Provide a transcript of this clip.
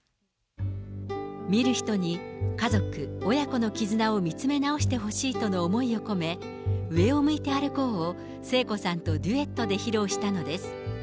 見る人に家族、親子の絆を見つめ直してほしいとの思いを込め、上を向いて歩こうを聖子さんとデュエットで披露したのです。